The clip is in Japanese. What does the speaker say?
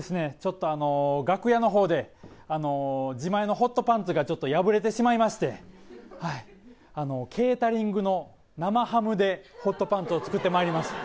ちょっと楽屋の方で自前のホットパンツがちょっと破れてしまいましてはいケータリングの生ハムでホットパンツを作ってまいりました